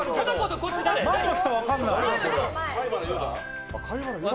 前の人は分かんない。